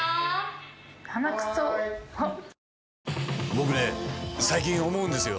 僕ね最近思うんですよ。